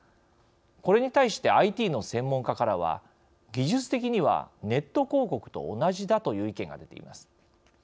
これに対してＩＴの専門家からは技術的にはネット広告と同じだという意見が出ています。